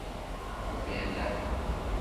Shubienda